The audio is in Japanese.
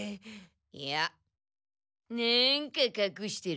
いやなんかかくしてる。